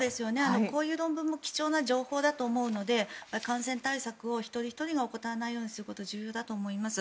こういう論文も貴重な情報だと思うので感染対策を一人ひとりが怠らないようにすることは重要だと思います。